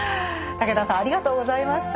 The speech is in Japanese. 武田さんありがとうございました。